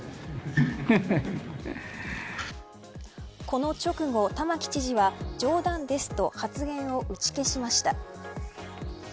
この直後、玉城知事は冗談ですと発言を打ち消しました。